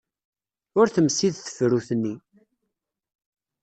Ur temsid tefrut-nni.